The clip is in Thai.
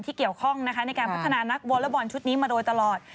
เกี่ยวข้องนะคะในการพัฒนานักวอเลอร์บอลชุดนี้มาโดยตลอด